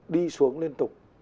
đi xuống liên tục